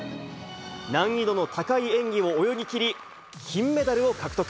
難易度の高い演技を泳ぎ切り、金メダルを獲得。